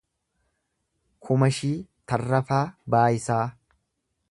Kumashii Tarrafaa Baayisaa